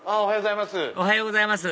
おはようございます。